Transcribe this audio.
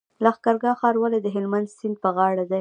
لښکرګاه ښار ولې د هلمند سیند په غاړه دی؟